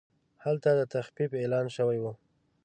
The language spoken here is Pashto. هلته د تخفیف اعلان شوی و.